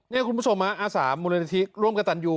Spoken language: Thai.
นี่คุณผู้ชมอาสามูลนิธิร่วมกับตันยู